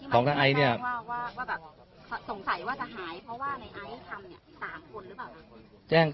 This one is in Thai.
ของในไอซ์เนี่ยว่าแบบสงสัยว่าจะหายเพราะว่าในไอซ์ทำเนี่ย๓คนหรือเปล่าคะ